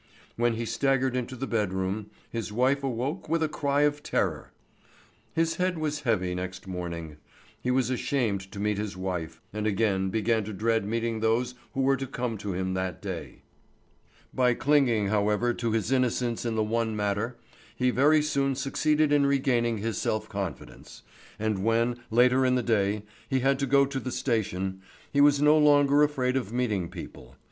When he staggered into the bedroom, his wife awoke with a cry of terror. His head was heavy next morning; he was ashamed to meet his wife, and again began to dread meeting those who were to come to him that day. By clinging, however, to his innocence in the one matter, he very soon succeeded in regaining his self confidence; and when, later in the day, he had to go to the station, he was no longer afraid of meeting people.